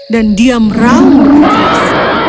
dan dia merauh terus